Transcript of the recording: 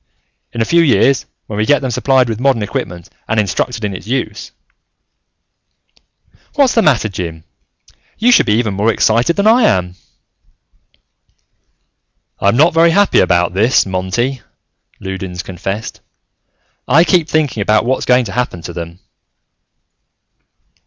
In a few years, when we can get them supplied with modern equipment and instructed in its use "What's the matter, Jim? You should be even more excited than I am." "I'm not very happy about this, Monty," Loudons confessed. "I keep thinking about what's going to happen to them."